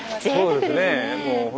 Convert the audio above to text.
そうですね。